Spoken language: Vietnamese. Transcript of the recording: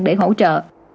để hỗ trợ